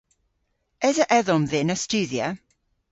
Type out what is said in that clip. Esa edhom dhyn a studhya?